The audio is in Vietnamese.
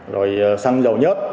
rồi xăng dầu nhất